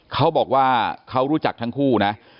เขาบอกว่าเขารู้จักทั้งคู่นะ